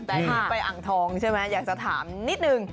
แต่ที่ไปอ่างทองใช่ไหมอยากจะถามนิดนึง